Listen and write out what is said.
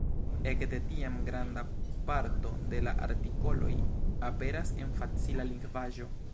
Ekde tiam granda parto de la artikoloj aperas en facila lingvaĵo.